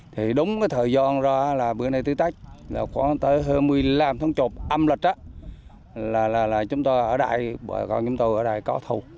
thì đúng thời gian ra là bữa nay tứ tách khoảng tới hai mươi năm tháng chục âm lịch là chúng tôi ở đại bọn chúng tôi ở đại có thù